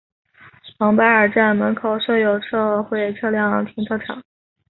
蒙巴尔站门口设有社会车辆停车场。